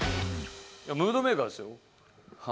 ムードメーカーですよ。